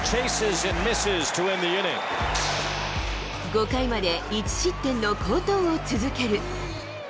５回まで１失点の好投を続ける。